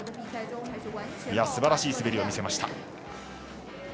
すばらしい滑りを見せました。